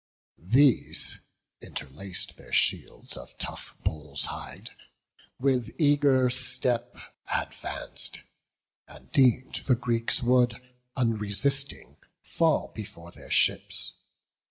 These, interlac'd their shields of tough bull's hide, With eager step advanc'd, and deem'd the Greeks Would, unresisting, fall before their ships.